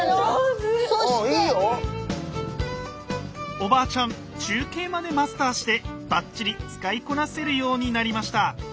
おばあちゃん中継までマスターしてバッチリ使いこなせるようになりました。